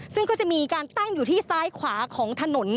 ซึ่งก็จะมีการตั้งอยู่ที่ซ้ายขวาของถนน